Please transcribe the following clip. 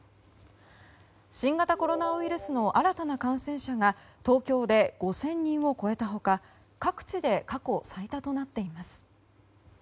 新型コロナウイルスの新たな感染者が東京で５０００人を超えた他各地で過去最多となっています。